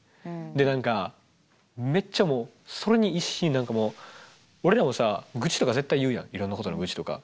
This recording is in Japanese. で何かめっちゃもうそれに一心に俺らもさ愚痴とか絶対言うやんいろんなことの愚痴とか。